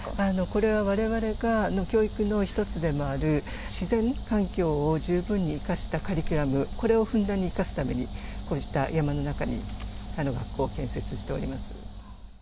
これはわれわれの教育の一つでもある自然環境を十分に生かしたカリキュラム、これをふんだんに生かすために、こういった山の中に学校を建設しております。